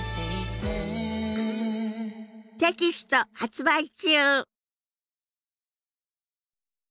テキスト発売中！